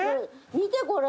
見てこれ！